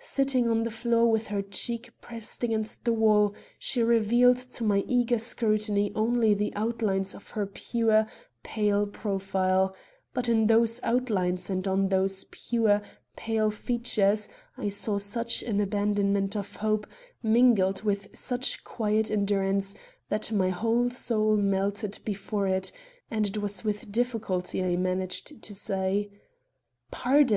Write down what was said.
Sitting on the floor with her cheek pressed against the wall, she revealed to my eager scrutiny only the outlines of her pure, pale profile; but in those outlines and on those pure, pale features, I saw such an abandonment of hope, mingled with such quiet endurance, that my whole soul melted before it, and it was with difficulty I managed to say: "Pardon!